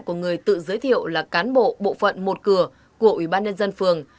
của người tự giới thiệu là cán bộ bộ phận một cửa của ủy ban nhân dân phường